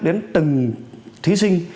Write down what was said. đến từng thí sinh